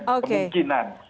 empat varian kemungkinan